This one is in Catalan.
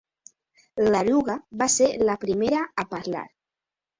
L'eruga va ser la primera a parlar.